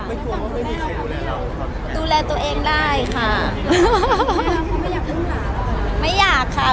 ไม่ตัวว่าไม่มีใครดูแลเราดูแลตัวเองได้ค่ะไม่อยากมีลาค่ะไม่อยากค่ะ